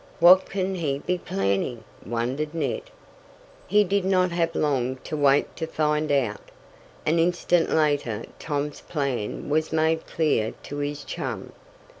"What can he be planning?" wondered Ned. He did not have long to wait to find out. An instant later Tom's plan was made clear to his chum.